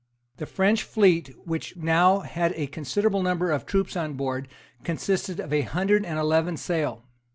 The French fleet, which now had a considerable number of troops on board, consisted of a hundred and eleven sail.